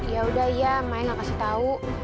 yaudah ya mai gak kasih tau